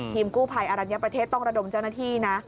กู้ภัยอรัญญประเทศต้องระดมเจ้าหน้าที่นะ